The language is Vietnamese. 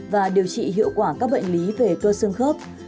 và điều trị hiệu quả các bệnh lý về cơ xương khớp